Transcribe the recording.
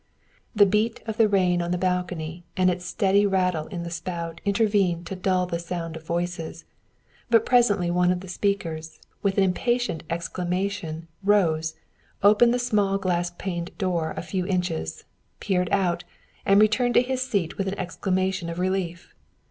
The beat of the rain on the balcony and its steady rattle in the spout intervened to dull the sound of voices, but presently one of the speakers, with an impatient exclamation, rose, opened the small glass paned door a few inches, peered out, and returned to his seat with an exclamation of relief.